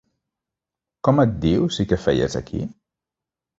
Com et dius i què feies aquí?